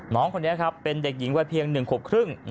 น้องคนนี้เป็นเด็กหญิงว่าเพียงหนึ่งขวบครึ่ง